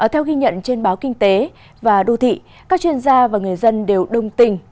theo ghi nhận trên báo kinh tế và đô thị các chuyên gia và người dân đều đồng tình